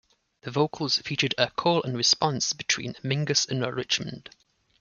The vocals featured a call-and-response between Mingus and Richmond.